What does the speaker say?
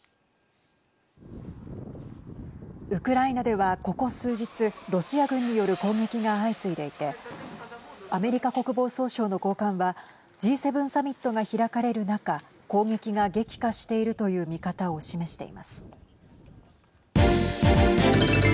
ウクライナでは、ここ数日ロシア軍による攻撃が相次いでいてアメリカ国防総省の高官はＧ７サミットが開かれる中攻撃が激化しているという見方を示しています。